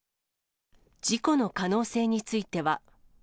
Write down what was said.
事故の可能性については。